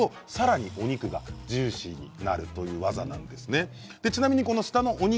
野菜でふたをするとさらにお肉がジューシーになるという技なんです。